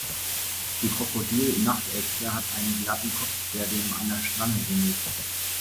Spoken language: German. Die Krokodil-Nachtechse hat einen glatten Kopf, der dem einer Schlange ähnelt.